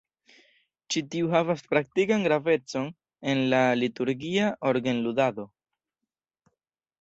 Ĉi tiu havas praktikan gravecon en la liturgia orgenludado.